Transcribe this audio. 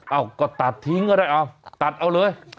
ก็ตัดทิ้งก็ได้เอาตัดเอาเลย